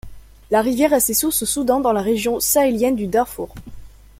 La rivière a ses sources au Soudan, dans la région sahélienne du Darfour.